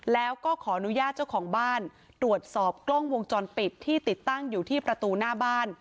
แล้วก็ขออนุญาตเจ้าของบ้านตรวจสอบกล้องวงจรปิดที่ติดตั้งอยู่ที่ประตูหน้าบ้าน